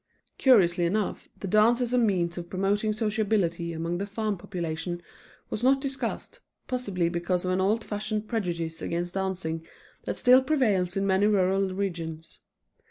Curiously enough, the dance as a means of promoting sociability among the farm population was not discussed, possibly because of an old fashioned prejudice against dancing that still prevails in many rural regions.